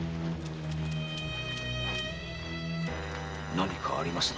何かありますな。